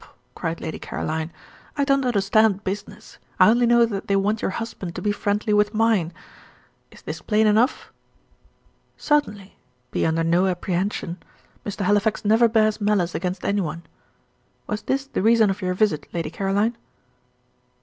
cried Lady Caroline. "I don't understand business; I only know that they want your husband to be friendly with mine. Is this plain enough?" "Certainly: be under no apprehension. Mr. Halifax never bears malice against any one. Was this the reason of your visit, Lady Caroline?"